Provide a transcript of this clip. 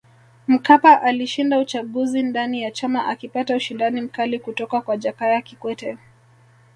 Mkapa alishinda uchaguzi ndani ya chama akipata ushindani mkali kutoka kwa Jakaya Kikwete